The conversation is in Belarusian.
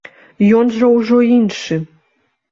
Ён жа ўжо іншы.